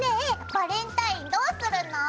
バレンタインどうするの？